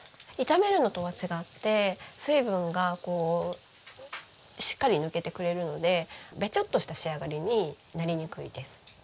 炒めるのとは違って水分がこうしっかり抜けてくれるのでベチョッとした仕上がりになりにくいです。